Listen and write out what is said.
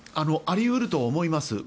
あり得ると思います。